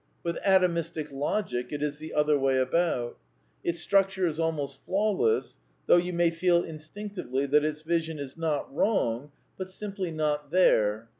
With Atomistic Logic it is the other way about Its structure is almost flawless ; though you may feel instinctively that its vision is, not wrong, but simply not there.